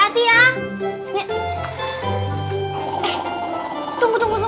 tunggu tunggu tunggu